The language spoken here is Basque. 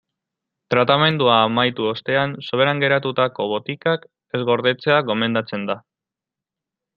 Tratamendua amaitu ostean soberan geratutako botikak ez gordetzea gomendatzen da.